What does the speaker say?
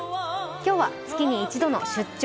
今日は、月に１度の「出張！